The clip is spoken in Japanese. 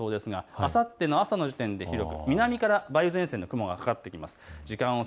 あさってのその時点で広く梅雨前線の雲がかかってきます。